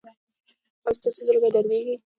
ایا ستاسو زړه به دریدي؟